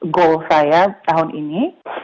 goal saya tahun ini